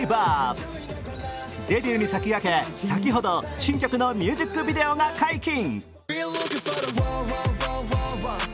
デビューに先駆け先ほど新曲のミュージックビデオが解禁。